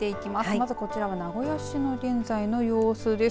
まずこちらは名古屋市の現在の様子です。